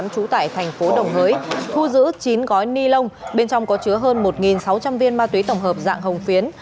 trú tại thành phố đồng hới thu giữ chín gói ni lông bên trong có chứa hơn một sáu trăm linh viên ma túy tổng hợp dạng hồng phiến